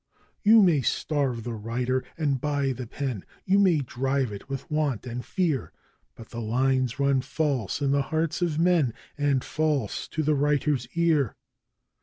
You may starve the writer and buy the pen you may drive it with want and fear But the lines run false in the hearts of men and false to the writer's ear.